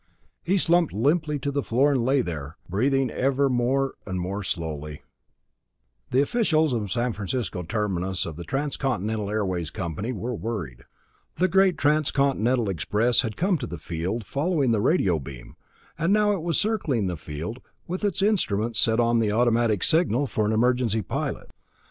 He slumped limply to the floor and lay there breathing ever more and more slowly. The officials of the San Francisco terminus of The Transcontinental Airways company were worried. The great Transcontinental express had come to the field, following the radio beam, and now it was circling the field with its instruments set on the automatic signal for an emergency pilot.